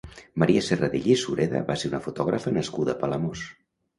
Maria Serradell i Sureda va ser una fotògrafa nascuda a Palamós.